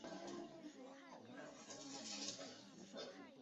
阿德尔茨豪森是德国巴伐利亚州的一个市镇。